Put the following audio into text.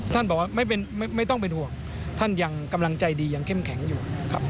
ท่านบอกว่าไม่ต้องเป็นห่วงท่านยังกำลังใจดียังเข้มแข็งอยู่ครับ